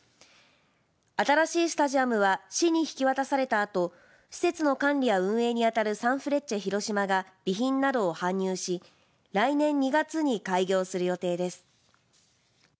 新しいスタジアムは市に引き渡されたあと施設の管理や運営にあたるサンフレッチェ広島が備品などを搬入し来年２月に開業する予定です。